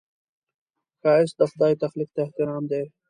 ښایست د خدای تخلیق ته احترام دی